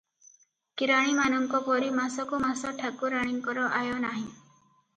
କିରାଣିମାନଙ୍କ ପରି ମାସକୁ ମାସ ଠାକୁରାଣୀଙ୍କର ଆୟ ନାହିଁ ।